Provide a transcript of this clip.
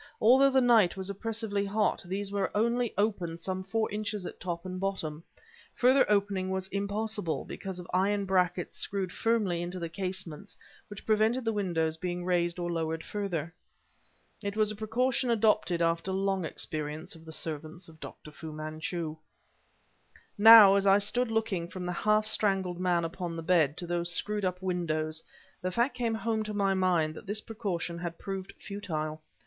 Although the night was oppressively hot, these were only opened some four inches at top and bottom. Further opening was impossible because of iron brackets screwed firmly into the casements which prevented the windows being raised or lowered further. It was a precaution adopted after long experience of the servants of Dr. Fu Manchu. Now, as I stood looking from the half strangled man upon the bed to those screwed up windows, the fact came home to my mind that this precaution had proved futile.